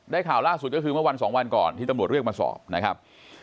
ข่าวล่าสุดก็คือเมื่อวันสองวันก่อนที่ตำรวจเรียกมาสอบนะครับ